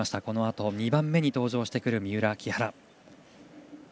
このあと、２番目に登場する三浦、木原。